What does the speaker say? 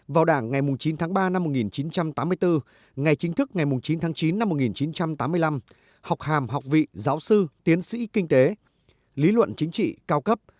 vào đảng ngày chín tháng ba năm một nghìn chín trăm tám mươi bốn ngày chính thức ngày chín tháng chín năm một nghìn chín trăm tám mươi năm học hàm học vị giáo sư tiến sĩ kinh tế lý luận chính trị cao cấp